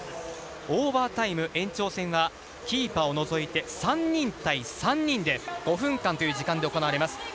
オーバータイム、延長戦はキーパーを除いて３人対３人で５分間という時間で行われます。